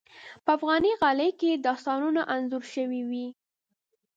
په افغاني غالۍ کې داستانونه انځور شوي وي.